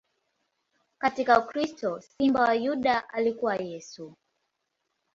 Katika ukristo, Simba wa Yuda alikuwa Yesu.